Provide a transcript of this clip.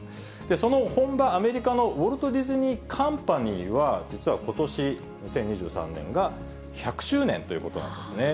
その本場、アメリカのウォルト・ディズニー・カンパニーは、実はことし２０２３年が１００周年ということなんですね。